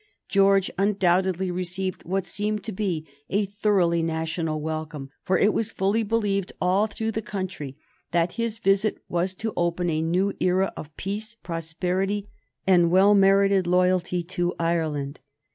George undoubtedly received what seemed to be a thoroughly national welcome, for it was fully believed all through the country that his visit was to open a new era of peace, prosperity, and well merited loyalty to Ireland.